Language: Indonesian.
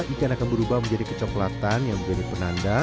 ikan akan berubah menjadi kecoklatan yang menjadi penanda